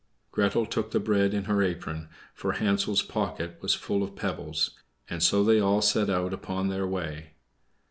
Gretel took the bread in her apron, for Hansel's pocket was full of pebbles; and so they all set out upon their way.